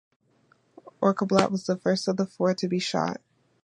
Olbricht was the first of the four to be shot.